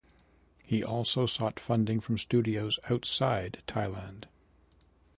He also sought funding from studios outside Thailand.